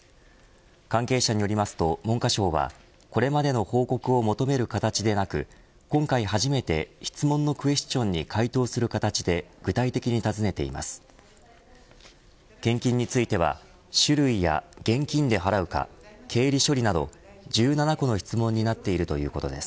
関係者によりますと文科省はこれまでの報告を求める形でなく今回初めて質問のクエスチョンに回答する形で具体的に尋ねています。